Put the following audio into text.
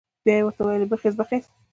بيا یې ورته وويل بخېز بخېز.